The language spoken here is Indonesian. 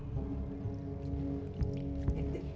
tim tim tim